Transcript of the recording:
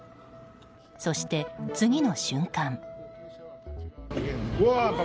そして次の瞬間。